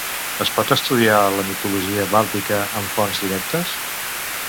Es pot estudiar la mitologia bàltica amb fonts directes?